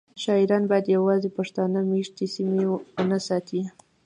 شاعران باید یوازې پښتانه میشتې سیمې ونه ستایي